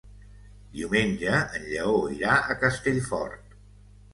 Diumenge en Lleó irà a Castellfort.